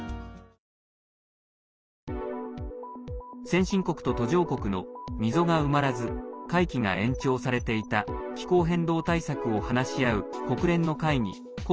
先進国と途上国の溝が埋まらず会期が延長されていた気候変動対策を話し合う国連の会議